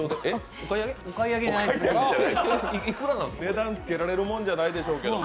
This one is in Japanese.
値段つけられるものじゃないでしょうけど。